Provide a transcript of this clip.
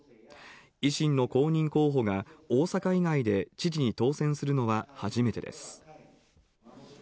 維新の公認候補が大阪以外で知事に当選するのは初めてです。